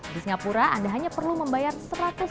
di singapura anda hanya perlu membeli internet di indonesia